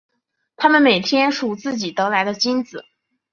他们每天数自己得来的金子。